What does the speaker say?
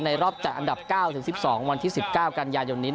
รอบจัดอันดับ๙ถึง๑๒วันที่๑๙กันยายนนี้